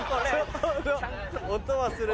音はする。